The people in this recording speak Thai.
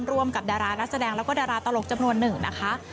ร่วมกับดารานักแสดงแล้วก็ดาราตลกจำนวนหนึ่งนะคะ